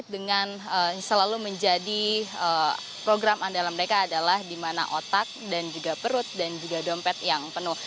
dengan selalu menjadi program andalan mereka adalah di mana otak dan juga perut dan juga dompet yang penuh